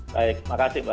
baik makasih mbak